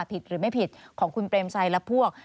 ผิดหรือไม่ผิดของคุณเปรมชัยและพวก